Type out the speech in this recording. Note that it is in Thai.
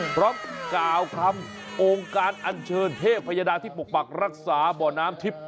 กล่าวคำองค์การอัญเชิญเทพยดาที่ปกปักรักษาบ่อน้ำทิพย์